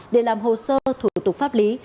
để làm hồ sơ thủ tục pháp lý